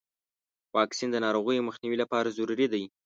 واکسین د ناروغیو مخنیوي لپاره ضروري دی.